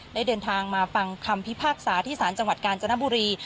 ได้เดินทางมาฟังคำพิพากษาที่ศาลจังหวัดกาญจนบุรี